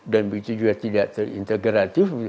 dan begitu juga tidak terintegratif